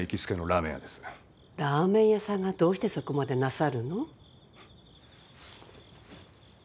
ラーメン屋さんがどうしてそこまでなさるの？